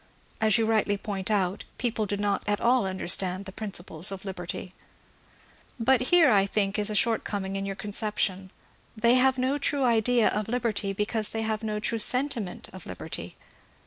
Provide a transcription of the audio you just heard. As you rightly point out, people do not at all understand the princi ples of liberty. But here I think there is a shortcoming in your concep tion. They have no true idea of liberty because they have no true sentifhent of liberty.